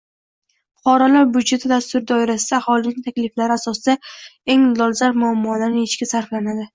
“Fuqarolar budjeti” dasturi doirasida aholining takliflari asosida eng dolzarb muammolarni yechishga sarflanadi.